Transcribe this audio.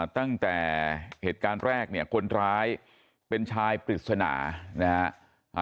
ตั้งแต่เหตุการณ์แรกเนี่ยคนร้ายเป็นชายปริศนานะฮะ